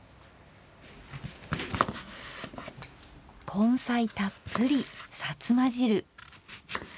根菜たっぷりさつま汁。